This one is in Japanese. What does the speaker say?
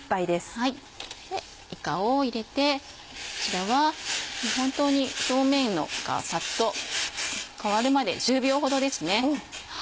いかを入れてこちらは本当に表面がサッと変わるまで１０秒ほどですね。